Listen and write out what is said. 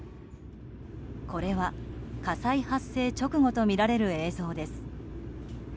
これは火災発生直後とみられる映像です。